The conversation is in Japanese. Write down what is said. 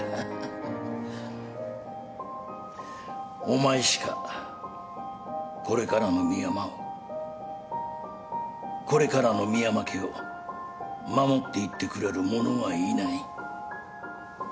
お前しかこれからの深山をこれからの深山家を守っていってくれる者はいない。